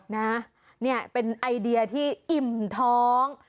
นะเนี่ยเป็นไอเดียที่อิ่มท้อง